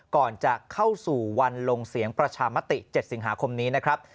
ก่อนจะเข้าสู่วันลงเสียงประชามติ๗สิงหาคมนี้นะครับ